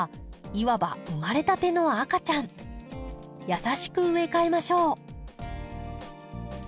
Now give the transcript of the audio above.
優しく植え替えましょう。